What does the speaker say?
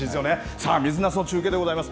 さあ、水なすの中継でございます。